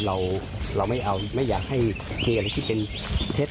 เราไม่เอาไม่อยากให้มีอะไรที่เป็นเท็จ